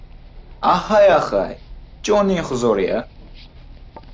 Ahay-ahay! Jonning huzuri-ya!